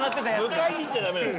迎えに行っちゃダメ。